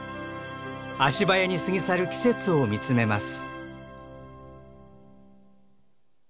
足早に過ぎ去る季節を見つめます。